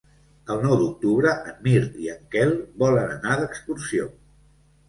El nou d'octubre en Mirt i en Quel volen anar d'excursió.